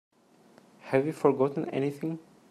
Have we forgotten anything?